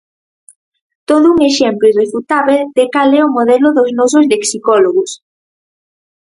Todo un exemplo irrefutábel de cal é o modelo dos nosos lexicólogos.